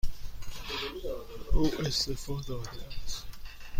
او استعفا داده است.